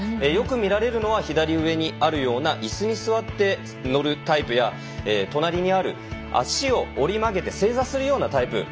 よく見られるのは左上にあるような、いすに座って乗るタイプや隣にある足を折り曲げて正座するようなタイプ。